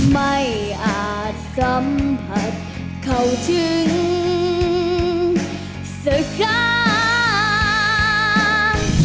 ไม่อาจสัมผัสเข้าถึงสะข้าม